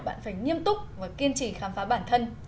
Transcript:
bạn phải nghiêm túc và kiên trì khám phá bản thân